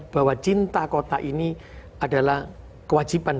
bahwa cinta kota ini adalah kewajiban